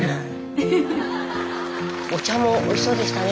お茶もおいしそうでしたね。